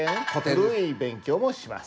古い勉強もします。